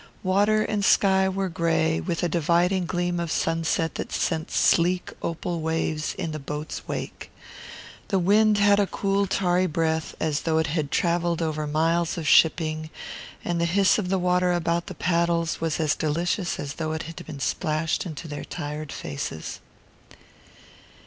Water and sky were grey, with a dividing gleam of sunset that sent sleek opal waves in the boat's wake. The wind had a cool tarry breath, as though it had travelled over miles of shipping, and the hiss of the water about the paddles was as delicious as though it had been splashed into their tired faces.